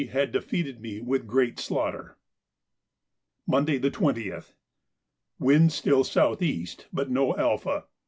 had defeated me with great slaughter. Monday, the 20th.—Wind still south east, but no 'Alpha.